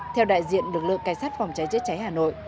theo đại diện lực lượng cài sát phòng cháy chết cháy hà nội